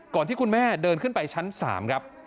ที่คุณแม่เดินขึ้นไปชั้น๓ครับ